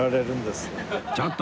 ちょっと！